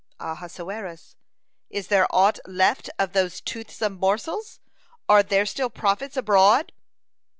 Ahasuerus: "Is there aught left of those toothsome morsels? Are there still prophets abroad?